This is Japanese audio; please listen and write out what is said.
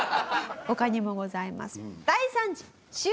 他にもございます。